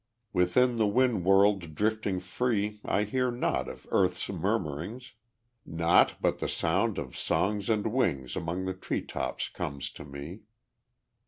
Within the wind world drifting free I hear naught of earth's murmurings, Naught but the sound of songs and wings Among the tree tops comes to me.